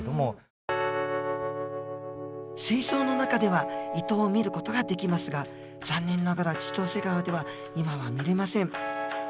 水槽の中ではイトウを見る事ができますが残念ながら千歳川では今は見れません。